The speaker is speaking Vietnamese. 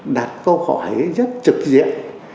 đặt câu hỏi rất trực diện